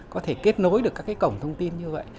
có thể kết nối được các cái cổng thông tin như vậy